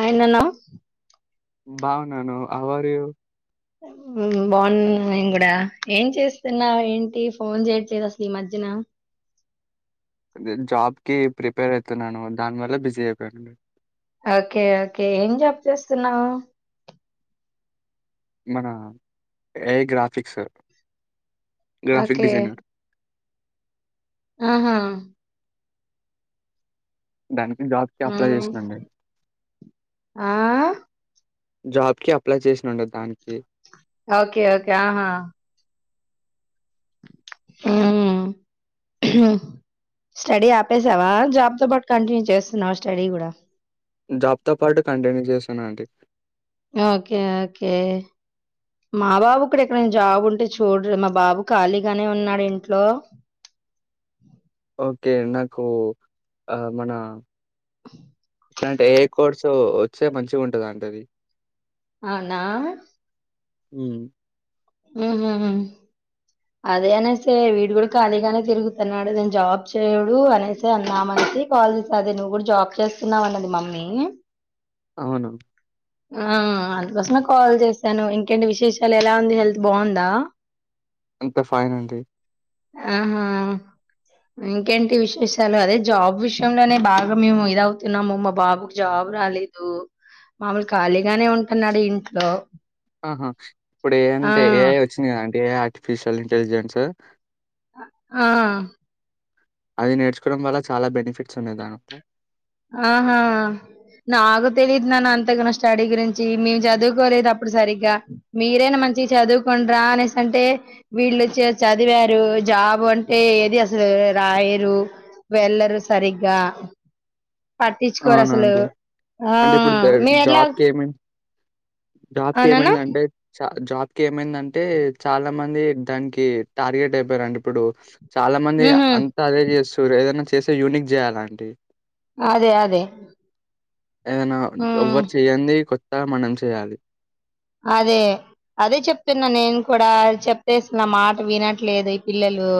అయననా బాగునను how are you బాగు నేను కూడా ఏం చేస్తున్నా ఏంటి ఫోన్ చేయట్లేదు అసలు ఈ మధ్యన నేన్ జాబ్కి ప్రిపేర్ అయితున్నాను దాని వల్ల బిజీ అయిపోయానండి ఓకే ఓకే ఏం జాబ్ చేస్తున్నావు మన AI graphics graphic okay designer ఆహా దనికి ఊమ్ ఆ జాబ్కి అప్లై చేసినండి దానికి ఓకే ఓకే ఆహా అఓ ఉమ్. స్టడీ ఆపేసావా జాబ్ తో పాటు కంటిన్యూ చేస్తున్నావు స్టడీ కూడా జాబ్తో పాటు కంటిన్యూ చేశాను అండి ఓకే ఓకే మా బాబు కూడా ఎక్కడనా జాబ్ ఉంటే చూడరు మా బాబు ఖాళీగానే ఉన్నాడు ఇంట్లో ఓకే నాకు ఆ మన ఇట్లాంటే ఏ ఐ కోర్సు వచ్చే మంచిగా ఉంటద అంటే అది అవున హ ఉ అదే అనేసే వీడు కూడా ఖాళీగానే తిరుగుతున్నాడు నేను జాబ్ చేయడు అనేసి అన్నామని కాల్ చేసా అదే నువ్వు కూడా జాబ్ చేస్తున్నావ అన్నది మమ్మీ అవును ఆ అందుకోసమే కాల్ చేసాను ఇంకేంటి విశేషాలు ఎలా ఉంది హెల్త్ బాగుందా అంత ఫైన్ ఆంటీ ఆహా ఇంకేంటి విశేషాలు అదే జాబ్ విషయంలోనే బాగా మేము ఇదవుతున్నాము మా బాబుకు జాబ్ రాలేదు మామలు ఖాళీగానే ఉంటున్నాడు ఇంట్లో ఆహా ఇప్పుడు ఏ ఆ అంటే ఏ ఐ వచ్చింది కదా అంటే ఏ ఆర్టిఫిషియల్ ఇంటెలిజెన్స్ అ ఆ అది నేర్చుకోవడం వల్ల చాలా బెనిఫిట్స్ ఉన్నాయి దానిట్లో ఆహా నాకు తెలీదున్నాను అంతగాన్నా స్టడీ గురించి మేము చదువుకోలేదు అప్పుడు సరిగ్గా మీరైనా మంచి చదువుకుండరా అనేసింటే వీళ్ళు వచ్చి చదివారు జాబ్ అంటే ఏది అసలు రాయరు వెళ్లరు సరిగా పార్టిటీచ్కోసలు అవునండి అంటే మలా జాబ్ కి ఏమైంద అంటే చ జాబ్ కి ఏమైందంటే చాలా మంది దానికి టార్గెట్ అయిపోయారండి ఇప్పుడు చాలా మంది ఉహు అంతా అదే చేస్తు సూ ఏదైనా చేసే యూనిక్ చేయాల ఆంటీ అదే అదే ఏదైనా ఉమ్ ఎవ్వరు చెయ్యంది మనం చేయాలి అదే అదే చెప్తున్నా నేను కూడా చెప్తేస నా మాట వినట్లేదు ఈ పిల్లలు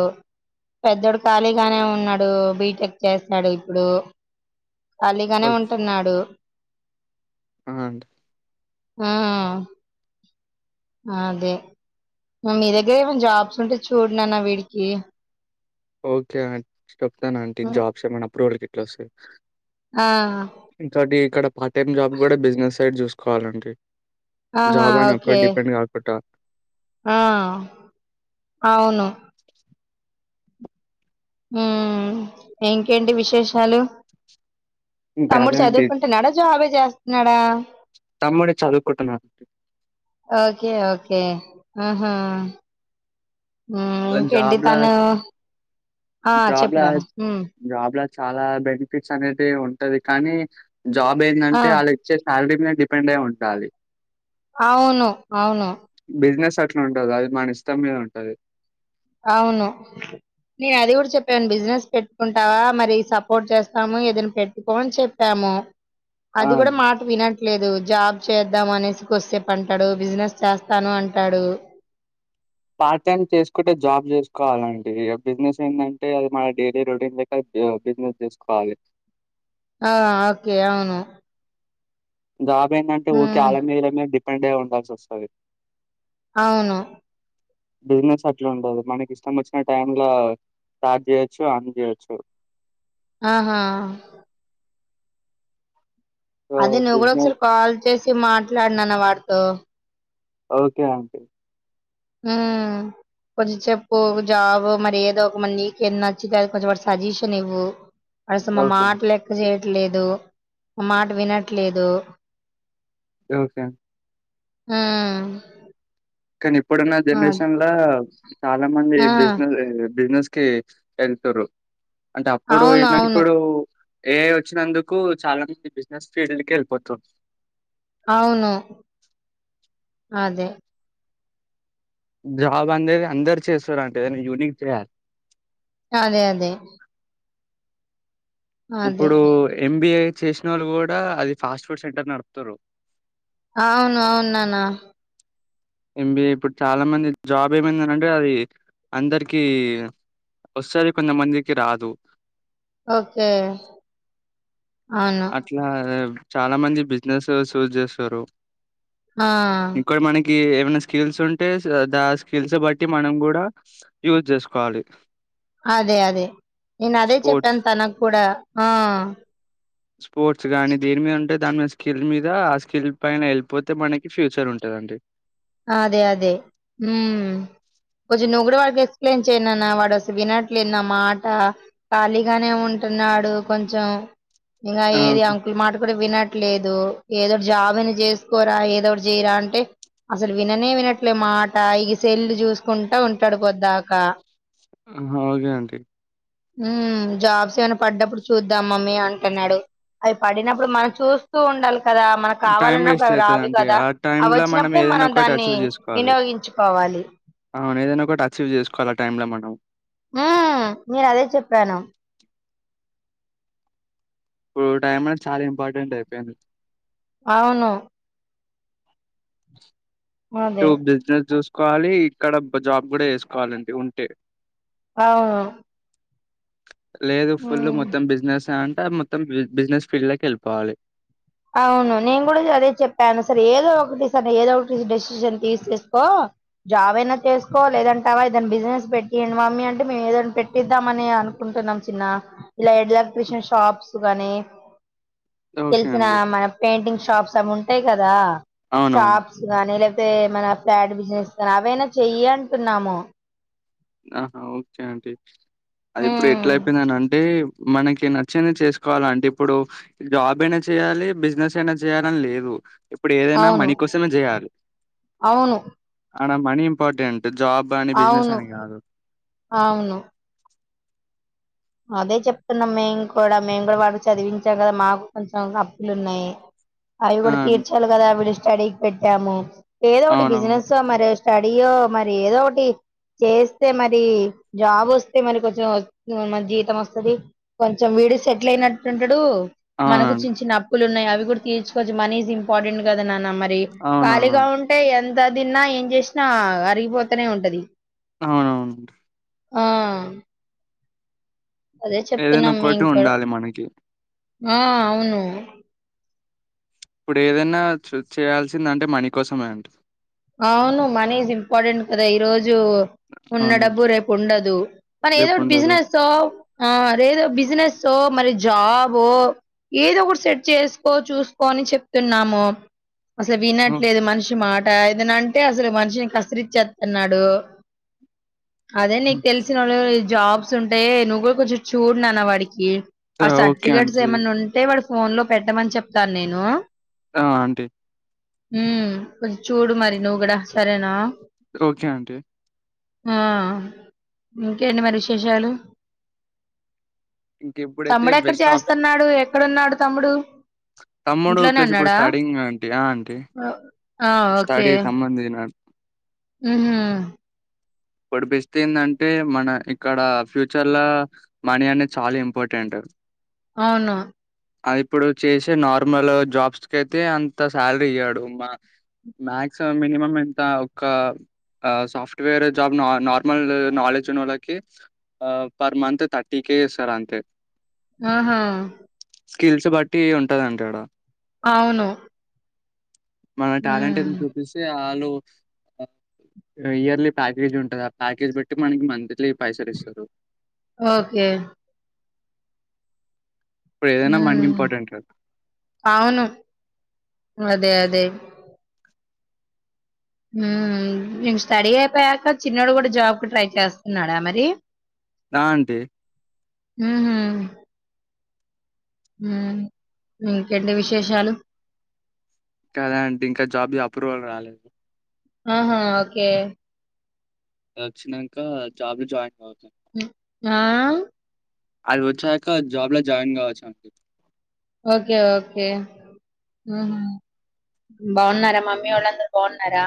పెదోడు ఖాళీగానే ఉన్నాడు బీటెక్ చేస్తాడు ఇప్పుడు ఖాళీగానే ఓకే. ఉంటున్నాడు ఆ! అండి. మ్మ్ అదే మీ దగ్గర ఏమైనా జాబ్స్ ఉంటే చూడునానా వీడికి ఓకే అ చెప్తాను ఆంటీ జాబ్స్ ఏమైనా అప్రూ్ అ అట్లా వస్తే ఆ ఇ చంటి ఇక్కడ పార్ట్ టైమ్ జాబ్ కూడా బిజినెస్ సైడ్ చూసుకోవాలండి ఆహా జాబ్ అని ఒక్కటి ఓకే డిపెండ్ కాకుండా. ఆ అవును మ్మ్ ఇంకేంటి విశేషాలు ఇంకా తమ్ముడు అదే అండి చదువుకుంటున్నాడా జాబే చేస్తున్నాడా తమ్ముడు చదువుకుంటున్నాడు. ఓకే ఓకే ఆహా అలా ఇంకేంటి జాబ్‌లా తను ఆ జాబ్‌లా చెప్పడాను జాబ్‌లో చాలా బెనిఫిట్స్ అనేది ఉంటది కానీ జాబ్ ఆ ఏంటంటే వాళ్ళు ఇచ్చే శాలరీ డిపెండ్ అయి ఉండాలి అవును అవును ఇట్లా ఉంటది అది మన ఇష్టం మీద ఉంటది అవును నేను అది కూడా చెప్పాను బిజినెస్ పెట్టుకుంటావా మరి సపోర్ట్ చేస్తాము ఏదైనా పెట్టుకో అని చెప్పాము ఆ! అది కూడా మాట వినం లేదు జాబ్ చేద్దాం అనేసి కొదిసేపు అంటాడు బిజినెస్ చేస్తాను అంటాడు పార్ట్ టైమ్ చేసుకుంటే జాబ్ చేసుకోవాలండి బిజినెస్ ఏంటంటే అది మన డైలీ రొటీన్ ద బిజినెస్ చేసుకోవాలి ఆ ఓకే అవును జాబ ఏంటంటే ఊరికే ఉమ్, ఆల మీదల మీద ప్పండే ఉండ స వస్త అవును బిజినెస్ అట్ల ఉండదు మనకి ఇష్టం వచ్చిన టై లో స్టార్ట్ చేయొచ్చు అన్ చేయొచ్చు ఆహా సో, అదే నువ్వు కూడా ఒకసారి బిజినెస్ కాల్ చేసి మాట్లాడునాన్న వాడితో ఓకే ఆంట కొంచెం చెప్పు ఒక జాబ్ మరి ఏదో ఒక మంది నీకు ఎ నచ్చితే అ కొంచెం సజెషన్ ఇవ్వు అేస మా ఓకే. మాట లెక్క చే లేదు మాట వినట్లేదు ఓకే మ్మ్ కానీ ఇప్పుడున్న జనరేషన్ లో చాలా మంది ఆ, బిజినెస్ బిజినెస్ కి ఎళ్తుర్రు అంటే అప్పుడు అవును ఏంటంటే అవును ఇప్పుడు ఏ వచ్చినందుకు చాలా మంది బిజినెస్ ఫీల్డ్ కే వెళ్ళిపోతుర్ అవును అదే జాబ్ అనేది అందరు చేస్తారంటే యూనిక్ చేయాలి. అదే అదే అదే ఇప్పుడు ఎంబిఐ చేసిన వాళ్ళు కూడా అది ఫాస్ట్ ఫుడ్ సెంటర్ నడుపుతరు. అవును అవును నాన్న ఎంబిఏ ఇప్పుడు చాలా మంది జాబ్ ఏమైందింటే, అది అందరికి వస్తది కొంతమందికి రాదు. ఓకే అవును. అట్లా చాలా మంది బిజినెస్ చూజ్ చేస్తారు. ఆ ఇంకోటి మనకి ఏమైనా స్కిల్స్ ఉంటే దా స్కిల్స్ బట్టి మనం కూడా యూజ్ చేసుకోవాలి. అదే అదే నేను అదే స్పోర్ట్స్ చెప్పాను తనకు కూడా ఆ స్పోర్ట్స్ గానీ దేని మీద ఉంటే దాని మీద, స్కిల్ మీద ఆ స్కిల్ పైన ఎల్పోతే మనకి ఫ్యూచర్ ఉంటదండి. అదే అదే ఉం కొంచెం నువ్వు కూడా వాడికి ఎక్స్ప్లెయిన్ చేయ్ నాన్న వాడు అసల్ వినట్లేదు. నా మాట. ఖాళీగానే ఉంటున్నాడు కొంచెం. ఇంకా ఆ, ఏది ఓకే అంకుల్ మాట కూడా వినట్లేదు. ఏదో ఒకటి జాబ్ అయిన చేసుకోరా ఏదో ఒకటి చేయరా అంటే అసలు విననే వినట్లే మాట ఇక సెల్లు చూసుకుంటా ఉంటాడు పొద్దాకా అ ఓగే అంటి ఊమ్ జాబ్స్ ఏమైనా పడ్డప్పుడు చూద్దాం మమ్మీ అంటున్నాడు. అవి పడినప్పుడు మనం చూస్తూ ఉండాలి. కదా మనకు టైం కావాలన్నప్పుడు వేస్ట్ అవి రావు అవుతుందండి కదా ఆ అవి టైంలో వచ్చినప్పు మనం ఏదైనా ఒకటి అచీవ్ చేసుకోవాలి. అవును ఏదైనా ఒకటి అచీవ్ చేసుకోవాలి. టైమ్లా మనము ఊ మీరు అదే చెప్పాను ఇప్పుడు టైం అనే చాలా ఇంపార్టెంట్ అయిపోయింది. అవును ఇటు అదే. బిజినేస్ చూస్ కోవాలి ఇక్కడ జాబ్ కూడా వేసుకోవాలి అండి ఉంటే అవును లేదు ఫుల్ హ్మ్. మొత్తం బిజినెస్ అం త మొత్తం బిజ్ బిజినెస్ ఫీల్డ్ లోకి వెళ్ళిపోవాలి అవును నేను కూడా అదే చెప్పాను సర ఏదో ఒకటి ఏదో ఒకటి డెసిషన్ తీసేసుకో జాబ్ అయినా చేసుకో లేదంటవ ఏదైనా బిజినెస్ పెట్టియండి మమ్మీ అంటే మేము ఏదైనా పెట్టిద్దామని అనుకుంటున్నాం చిన్న ఇలా ఎలక్ట్రిషియన్ షాప్స్ కాని ఓకే విన అండి. మన పెయింటింగ్ షాప్స్ అమో టె కదా అవునవును. షాప్స్ గాని లేక్ టే మన ఫ్లాట్ బిజినెస్నీ అవైనా చెయ్యి అంటున్నాము ఆహా ఓకే అంటీ అది ఇప్పుడు ఉమ్, ఎట్లా అయిపోయింది అని అంటే మనకి నచ్చింది చేసుకోవాల అంటే ఇప్పుడు జాబ్ అయినా చేయాలి బిజినెస్ అయినా చేయ్యాలని లేదు ఇప్పుడు ఏదైనా అవును మనీ కోసమే చేయాలి అవును మనకు మనీ ఇంపార్టెంట్ ద జాబ్ అని బిజినెస్ అవును అని గా అవును అదే చెప్తున్నాం మేము కూడా మేము కూడా వాడు చదివించాం కదా మాకు కొంచెం అప్పులు ఉన్నాయి అవి ఆ! కూడా తీర్చాలి కదా ఆ వీడ్ స్టడీ కి పెట్టాము ఏదో ఒకటి అవునవును. బిజినెస్సో మరే స్టడీయో మరి ఏదో ఒకటి చేస్తే మరి జాబ్ వస్తే మరి కొంచెం మ [unintelligible] జీతం వస్తది కొంచెం వీడు సెటిల్ అయినట్టుంటాడు మనకు అవునండి. చిన్న చిన్న అప్పు ప్పులు ఉన్నాయి అవి కూడా తీర్చుకోచ్ మనీ ఇంపార్టెంట్ కద నానా [unintelligible] ఖాళీగా అవునవునండి. ఉంటే ఎ ఎంత తిన్న ఏం చేసినా అరిగిపోతనే ఉంటది అవునవును ఆ అదే ఏదైనా చెప్తున్నాం ఒకటి మేము కూడా ఉండాలి మనకి ఆ అవును ఇప్పుడు ఏదన్న చేయాల్సింది అంటే మనీ కోసమే అండి అవును మనీ ఇజ్ ఇంపార్టెంట్ కదా ఈరోజు జు ఉన్న అవునండి. డబ్బు రేపు ఉండదు మన ఏదో ఒకటి రేపుండదు. బిజినెస్సో ఆ అదేదో బిజినెస్సో మరి జాబ ఏదో ఒకటి సెట్ చేసుకో చూసుకో అని చెప్తున్నాము అసలు హ్మ్. వినట్లేదు మనిషి మాట ఆ ఏదన్నా అంటే అసలు మనిషిని కసిరిచ్చేస్తున్నాడు అదే నీకు హ్మ్. తెలిసినోళ జాబ్స్ ఉంటే నువ్వు కూడా కొంచెం చూడునాన్న వాడికి ఆ ఓకే సర్టిఫికేట్స్ అండి. ఏమైన్నా ఉంటే వాడు ఫోన్ లో పెట్టమని చెప్తాను నేను ఆ ఆంటీ హమ్ చూడు మరి నువ్వు కూడా సరేనా ఓకే అండి. ఆ ఇంకేంటి మరి విశేషాలు ఇంక ఇప్పుడైతే తమ్ముడు ఎక్కడ బెస్ట్ ఆప్ష చేస్తున్నాడు ఎక్కడన్నాడు తమ్ముడు తమ్ముడు ఇంట్లోనే ప్లస్ ఇప్పుడు ఉన్నాడా సస్టూడింగ్ ఆంటీ ఆ ఆంటీ ఆహ్ ఓకే స్టడీ సంబంధించిన ఉమ్మ్ పడిపిస్తుందంటే మన ఇక్కడ ఫ్యూచర్ లో మనీ అనేది చాలా ఇంపార్టెంట్ అవునా అది ఇప్పుడు చేసే నార్మల్ జాబ్స్ క అయితే అంత సాలరీ ఇయ్యాడు మాక్సిమం మినిమం ఇంత ఒక సాఫ్ట్వేర్ జాబ్ నార్మల్ నాలెడ్జ్ ఉన్న వాళ్ళకి per month thirty K sir అంతే అహా స్కిల్స్ బట్టి ఉంటదంటే అక్కడ అవును మన టాలెంట్ ఏ ఉమ్. చూపిస్త వాళ్ళు ఇయర్లీ ప్యాకేజ్ ఉంటుంది ఆ ప్యాకేజ్ బట్టి మనకి మంత్లీ పైసలిస్తారు ఓకే ఇప్పుడేదైనా మనీ హమ్ ఇంపార్టెంట్ కదా! అవును అ అదే అదే హమ్ స్టడీ అయిపోయాక చిన్నడు కూడా జాబ్ కి ట్రై చేస్తున్నాడా మరి నా అంటే ఉహూ ఇంకేంటి విశేషాలు కదా అండి ఇంకా జాబీ అప్రూవల్ రాలేదు ఆహా ఓకే వచ్చినాక జాబ్ లో జాయిన్ కావాలి [unintelligible] ఆఆ అని అది వచ్చాక జాబ్ లో జాయిన్ కావచ్చు ఓకే ఓకే బాగున్నారా మమ్మీ వాళ్ళందరుూ బాగున్నారా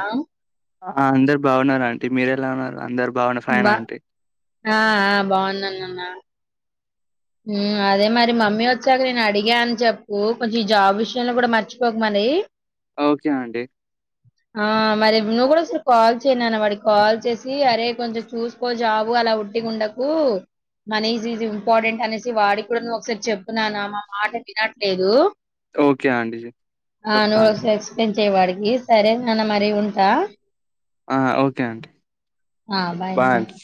ఆ అందరరు బాగున్నారు అంటీ మీర ఎలా ఉన్నారు అందరు బాగున్నా ఫైనా బా అంటీ? ఆ బాగున్నాను నాన్న అదే మరి మమ్మీ వచ్చాక నేను అడిగా అని చెప్పు కొంచెం ఈ జాబ్ విషయంలో కూడా మర్చిపోక మరి ఓకే అండి. ఆహ్ మరి ఇప్పుడు నువ్వు కూడా కాల్ చెయ్ నాన్న వాడికి కాల్ చేసి అరే కొంచెం చూసుకో జాబు అలా ఉట్టిగ ఉండకు మనీజ్ ఈజ్ ఇంపార్టెంట్ అనేసి వాడికి కూడా ఒకసారి చెప్పునాన్నా మా మాట వినట్లేదు ఓకే ఆంటీ చెప్తా ఆంటీ వచ్చేవాడికి సరేనాన్న మరి ఉంటా ఆ ఓకే ఆంటీ ఆ సరే బాయ్ నాన్న అంటి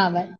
ఆ బాయ్